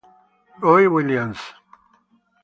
Roy Williams